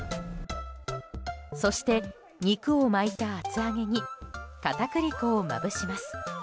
そして、肉を巻いた厚揚げに片栗粉をまぶします。